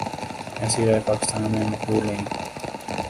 ایسی رائے پاکستان میں مقبول نہیں۔